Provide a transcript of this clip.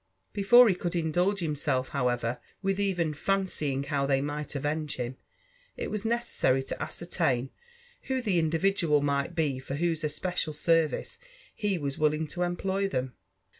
Before he could indulge himself, however^ with even fan cying how 4hey might avenge him, it was necessary to ascertain who the individual might be for whose especial service he was willing to employ them.